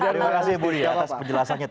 terima kasih ibu di atas penjelasannya tadi